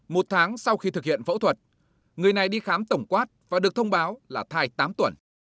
một tháng sau khi thực hiện phẫu thuật người này đi khám tổng quát và được thông báo là thai tám tuần